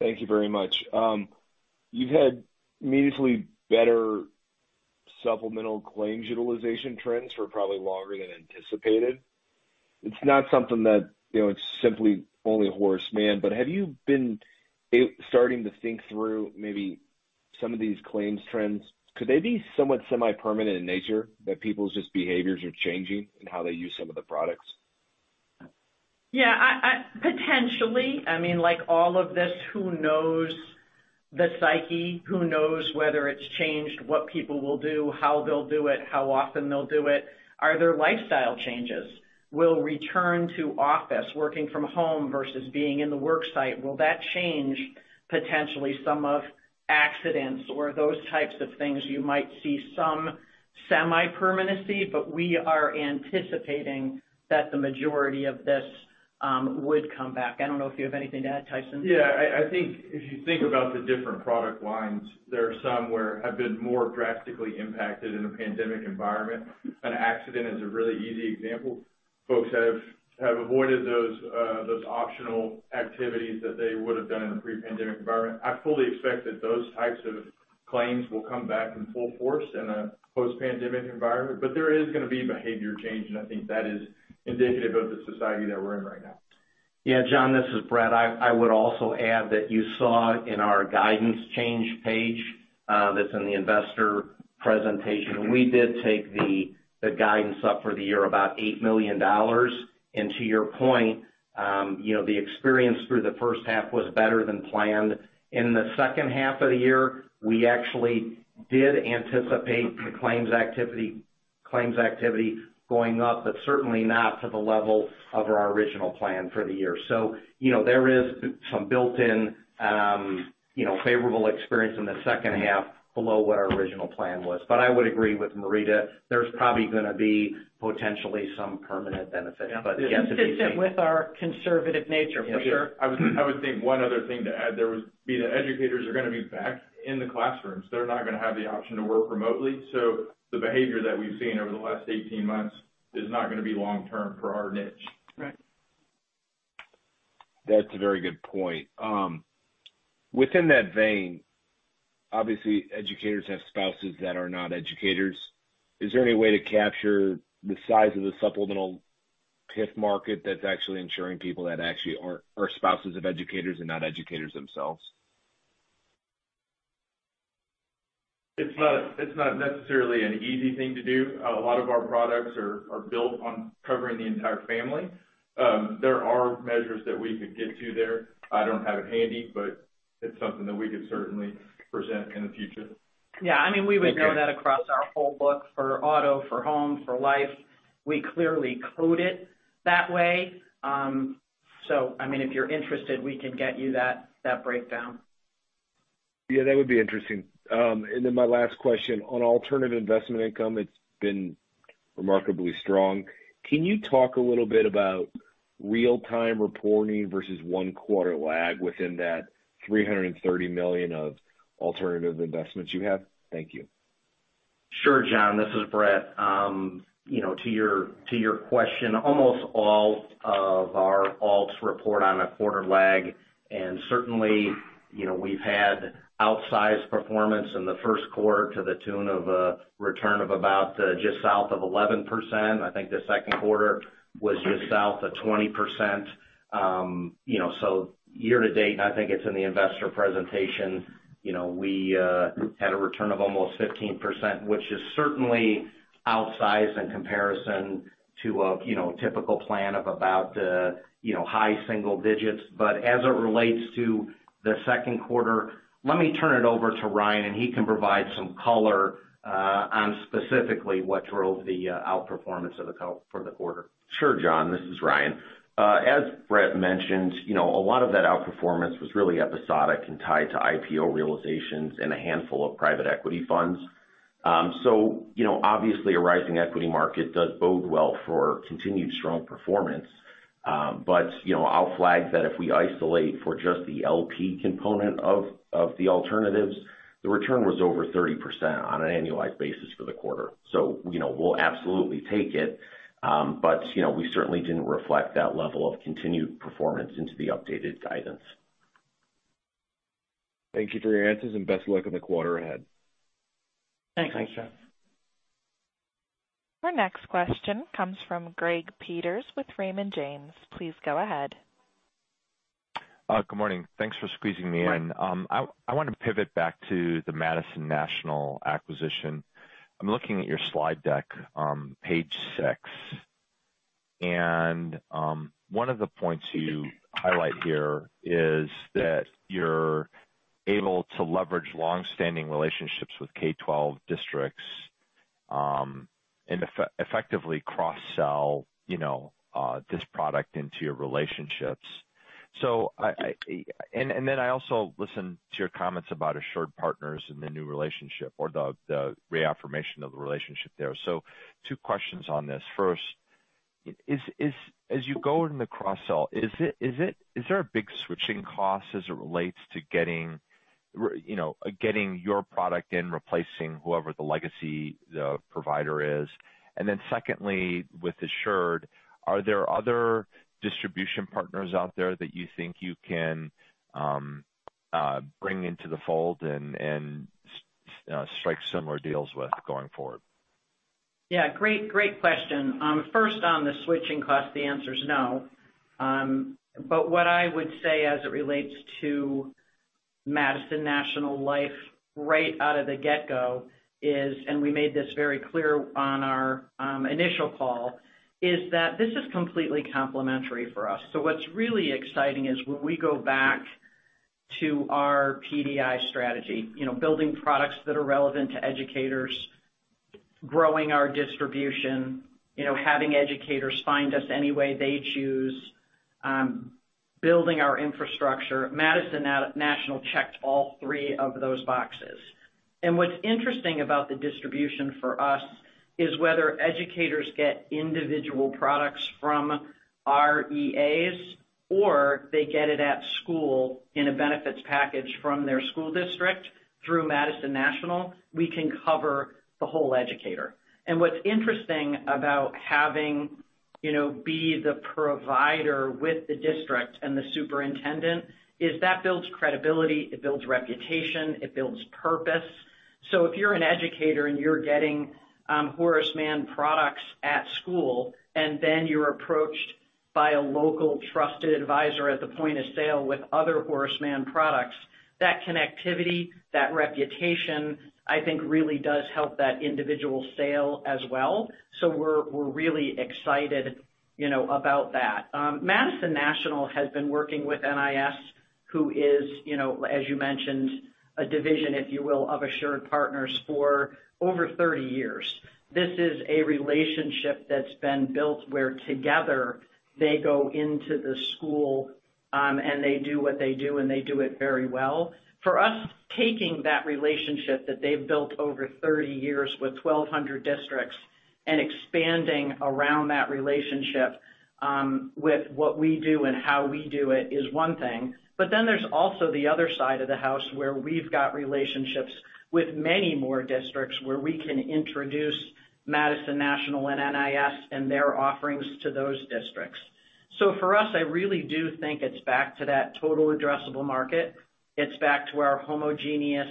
Thank you very much. You've had meaningfully better supplemental claims utilization trends for probably longer than anticipated. It's not something that it's simply only Horace Mann, have you been starting to think through maybe some of these claims trends? Could they be somewhat semi-permanent in nature, that people's just behaviors are changing in how they use some of the products? Yeah. Potentially. I mean, like all of this, who knows the psyche? Who knows whether it's changed what people will do, how they'll do it, how often they'll do it? Are there lifestyle changes? We'll return to office, working from home versus being in the work site. Will that change potentially some of accidents or those types of things? You might see some semi-permanency, we are anticipating that the majority of this would come back. I don't know if you have anything to add, Tyson. Yeah, I think if you think about the different product lines, there are some where have been more drastically impacted in a pandemic environment. An accident is a really easy example. Folks have avoided those optional activities that they would have done in a pre-pandemic environment. I fully expect that those types of claims will come back in full force in a post-pandemic environment. There is going to be behavior change, and I think that is indicative of the society that we're in right now. Yeah, John, this is Bret. I would also add that you saw in our guidance change page, that's in the investor presentation, we did take the guidance up for the year about $8 million. To your point, the experience through the first half was better than planned. In the second half of the year, we actually did anticipate the claims activity going up, but certainly not to the level of our original plan for the year. There is some built-in favorable experience in the second half below what our original plan was. I would agree with Marita, there's probably going to be potentially some permanent benefits. Yes, it is. Consistent with our conservative nature, for sure. I would think one other thing to add there would be that educators are going to be back in the classrooms. They're not going to have the option to work remotely. The behavior that we've seen over the last 18 months is not going to be long-term for our niche. Right. That's a very good point. Within that vein, obviously, educators have spouses that are not educators. Is there any way to capture the size of the supplemental PIF market that's actually insuring people that actually are spouses of educators and not educators themselves? It's not necessarily an easy thing to do. A lot of our products are built on covering the entire family. There are measures that we could get to there. I don't have it handy, but it's something that we could certainly present in the future. Yeah. We would know that across our whole book for auto, for home, for life. We clearly code it that way. If you're interested, we can get you that breakdown. Yeah, that would be interesting. My last question, on alternative investment income, it's been remarkably strong. Can you talk a little bit about real-time reporting versus one quarter lag within that $330 million of alternative investments you have? Thank you. Sure, John. This is Bret. To your question, almost all of our alts report on a quarter lag, and certainly, we've had outsized performance in the first quarter to the tune of a return of about just south of 11%. I think the second quarter was just south of 20%. Year to date, and I think it's in the investor presentation, we had a return of almost 15%, which is certainly outsized in comparison to a typical plan of about high single digits. As it relates to the second quarter, let me turn it over to Ryan, and he can provide some color on specifically what drove the outperformance for the quarter. Sure, John. This is Ryan. As Bret mentioned, a lot of that outperformance was really episodic and tied to IPO realizations in a handful of private equity funds. Obviously, a rising equity market does bode well for continued strong performance. I'll flag that if we isolate for just the LP component of the alternatives, the return was over 30% on an annualized basis for the quarter. We'll absolutely take it, but we certainly didn't reflect that level of continued performance into the updated guidance. Thank you for your answers. Best of luck on the quarter ahead. Thanks. Thanks, John. Our next question comes from Greg Peters with Raymond James. Please go ahead. Good morning. Thanks for squeezing me in. I want to pivot back to the Madison National acquisition. I'm looking at your slide deck, page six. One of the points you highlight here is that you're able to leverage long-standing relationships with K12 districts, and effectively cross-sell this product into your relationships. I also listened to your comments about AssuredPartners and the new relationship or the reaffirmation of the relationship there. Two questions on this. First, as you go in the cross-sell, is there a big switching cost as it relates to getting your product in, replacing whoever the legacy provider is? Secondly, with Assured, are there other distribution partners out there that you think you can bring into the fold and strike similar deals with going forward? Yeah, great question. First on the switching cost, the answer's no. What I would say as it relates to Madison National Life right out of the get-go is, and we made this very clear on our initial call, is that this is completely complementary for us. What's really exciting is when we go back to our PDI strategy, building products that are relevant to educators, growing our distribution, having educators find us any way they choose, building our infrastructure. Madison National checked all three of those boxes. What's interesting about the distribution for us is whether educators get individual products from REAs, or they get it at school in a benefits package from their school district through Madison National, we can cover the whole educator. What's interesting about having, be the provider with the district and the superintendent is that builds credibility, it builds reputation, it builds purpose. If you're an educator and you're getting Horace Mann products at school, and then you're approached by a local trusted advisor at the point of sale with other Horace Mann products, that connectivity, that reputation, I think, really does help that individual sale as well. We're really excited about that. Madison National has been working with NIS Who is, as you mentioned, a division, if you will, of AssuredPartners for over 30 years. This is a relationship that's been built where together they go into the school, and they do what they do, and they do it very well. For us, taking that relationship that they've built over 30 years with 1,200 districts and expanding around that relationship with what we do and how we do it is one thing. There's also the other side of the house, where we've got relationships with many more districts, where we can introduce Madison National and NIS and their offerings to those districts. For us, I really do think it's back to that total addressable market. It's back to our homogeneous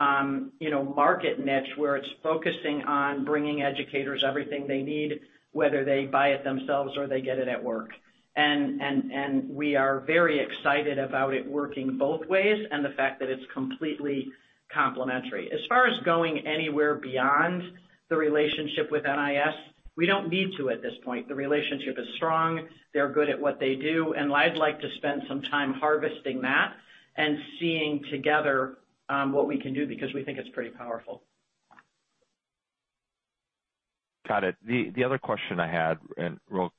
market niche, where it's focusing on bringing educators everything they need, whether they buy it themselves or they get it at work. We are very excited about it working both ways, and the fact that it's completely complementary. As far as going anywhere beyond the relationship with NIS, we don't need to at this point. The relationship is strong. They're good at what they do. I'd like to spend some time harvesting that and seeing together what we can do because we think it's pretty powerful. Got it. The other question I had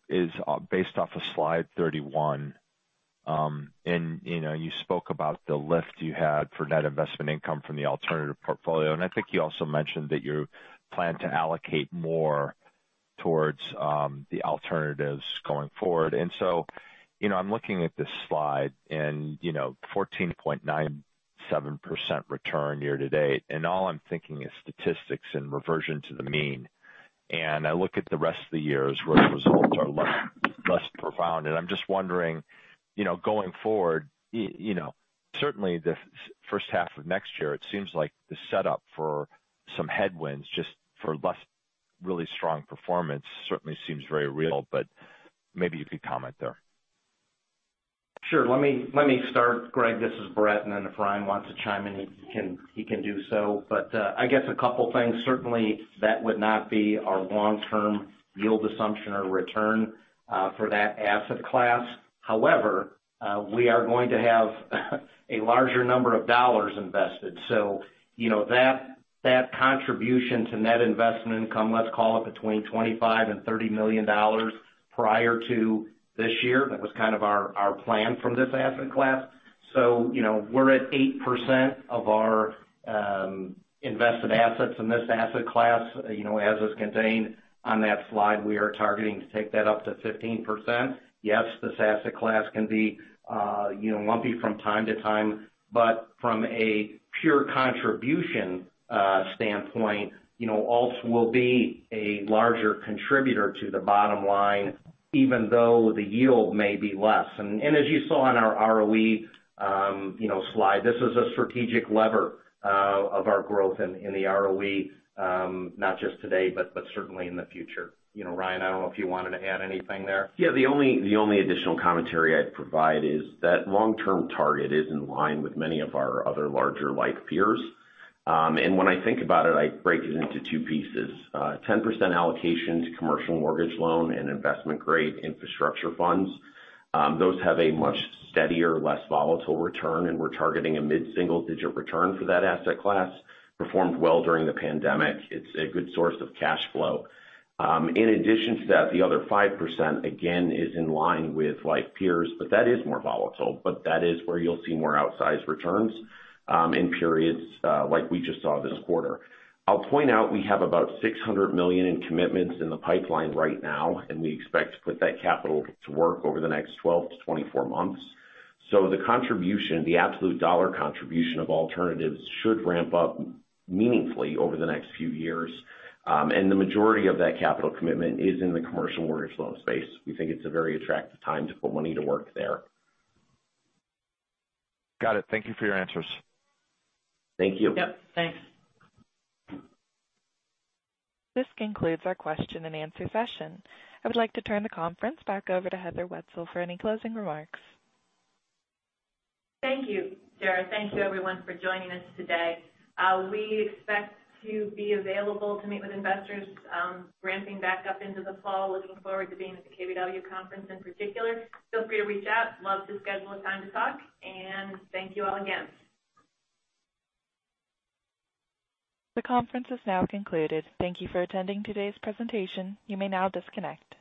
is based off of slide 31. You spoke about the lift you had for net investment income from the alternative portfolio. I think you also mentioned that you plan to allocate more towards the alternatives going forward. I'm looking at this slide and 14.97% return year to date. All I'm thinking is statistics and reversion to the mean. I look at the rest of the years where the results are less profound. I'm just wondering, going forward, certainly the first half of next year, it seems like the setup for some headwinds just for less really strong performance certainly seems very real. Maybe you could comment there. Sure. Let me start, Greg. This is Bret, and then if Ryan wants to chime in, he can do so. I guess a couple things. Certainly, that would not be our long-term yield assumption or return for that asset class. However, we are going to have a larger number of dollars invested. So that contribution to net investment income, let's call it between $25 million-$30 million prior to this year, that was kind of our plan from this asset class. So we're at 8% of our invested assets in this asset class. As is contained on that slide, we are targeting to take that up to 15%. Yes, this asset class can be lumpy from time to time, but from a pure contribution standpoint, alts will be a larger contributor to the bottom line, even though the yield may be less. As you saw on our ROE slide, this is a strategic lever of our growth in the ROE, not just today, but certainly in the future. Ryan, I don't know if you wanted to add anything there. The only additional commentary I'd provide is that long-term target is in line with many of our other larger like peers. When I think about it, I break it into two pieces. 10% allocation to Commercial Mortgage Loan and investment-grade infrastructure funds. Those have a much steadier, less volatile return, and we're targeting a mid-single-digit return for that asset class. Performed well during the pandemic. It's a good source of cash flow. In addition to that, the other 5%, again, is in line with like peers, but that is more volatile. That is where you'll see more outsized returns in periods like we just saw this quarter. I'll point out we have about $600 million in commitments in the pipeline right now, and we expect to put that capital to work over the next 12 to 24 months. The contribution, the absolute dollar contribution of alternatives should ramp up meaningfully over the next few years. The majority of that capital commitment is in the Commercial Mortgage Loan space. We think it's a very attractive time to put money to work there. Got it. Thank you for your answers. Thank you. Yep. Thanks. This concludes our question and answer session. I would like to turn the conference back over to Heather J. Wenzel for any closing remarks. Thank you, Sarah. Thank you, everyone, for joining us today. We expect to be available to meet with investors ramping back up into the fall. Looking forward to being at the KBW conference in particular. Feel free to reach out. Love to schedule a time to talk, and thank you all again. The conference is now concluded. Thank you for attending today's presentation. You may now disconnect.